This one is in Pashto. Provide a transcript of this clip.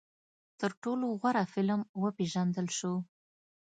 تر ټولو غوره فلم وپېژندل شو